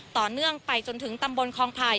ต่อเนื่องไปจนถึงตำบลคองไผ่